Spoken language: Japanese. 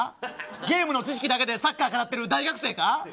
ゲームの知識だけでサッカー語ってる大学生か？